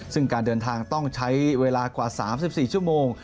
ซึ่งการเดินทางต้องใช้เวลากว่า๓๔ชั่วโมง